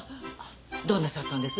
どうなさったんです？